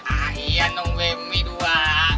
ayan nung bemi dua